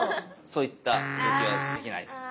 そういった動きはできないです。